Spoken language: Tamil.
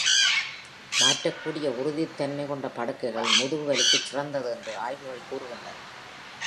மாற்றக்கூடிய-உறுதித்தன்மை கொண்ட படுக்கைகள் முதுகுவலிக்குச் சிறந்தது என்று ஆய்வுகள் கூறுகின்றன.